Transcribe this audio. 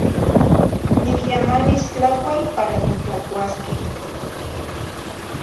Nicyamanis tlacual para titlacuasqueh.